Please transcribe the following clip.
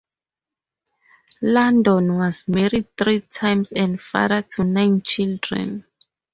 Landon was married three times, and father to nine children.